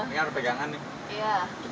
ini ada pegangan nih